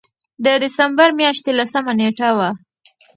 د دسمبر مياشتې لسمه نېټه وه